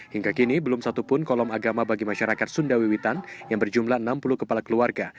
hingga kini belum satupun kolom agama bagi masyarakat sunda wiwitan yang berjumlah enam puluh kepala keluarga